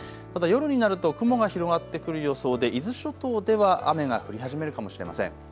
ただ夜になると雲が広がってくる予想で伊豆諸島では雨が降り始めるかもしれません。